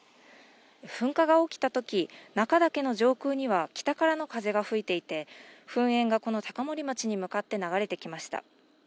噴火が起きたとき中岳の上空には北からの風が吹いていて、噴煙がこの高森町に向かって流れてきました。